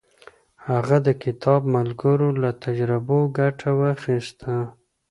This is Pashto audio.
هغه د خپلو ملګرو له تجربو ګټه واخیسته.